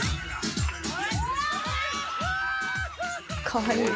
かわいい。